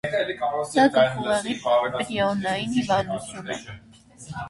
Սա գլխուղեղի պրիոնային հիվանդություն է։